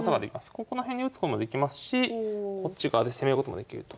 ここら辺に打つこともできますしこっち側で攻めることもできると。